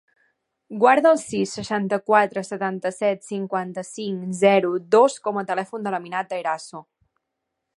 Guarda el sis, seixanta-quatre, setanta-set, cinquanta-cinc, zero, dos com a telèfon de l'Aminata Eraso.